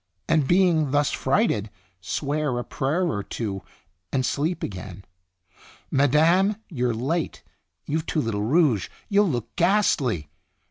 'And being, thus frighted, swear a prayer or two and sleep again.' Madame, you're late; you've too little rouge; you'll look ghastly.